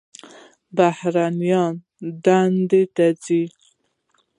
بهترینو دندو ته ځي.